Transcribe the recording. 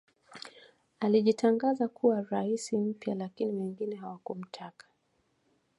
Akajitangaza kuwa rais mpya lakini wengine hawakumtaka